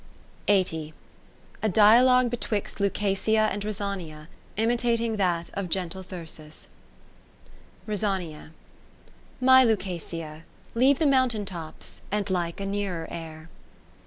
A Dialosfue betwixt Lucasia and Rosania, imitating that of gentle Thyrsis ^ Ros. My Lucasia, leave the moun tain tops. And like a nearer air.